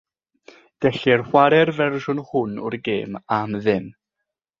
Gellir chwarae'r fersiwn hwn o'r gêm am ddim.